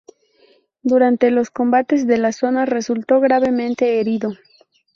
Durante los combates en la zona resultó gravemente herido.